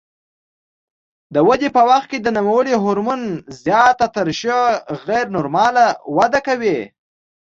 د ودې په وخت کې د نوموړي هورمون زیاته ترشح غیر نورماله وده کوي.